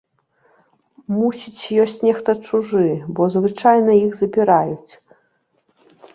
Мусіць, ёсць нехта чужы, бо звычайна іх запіраюць.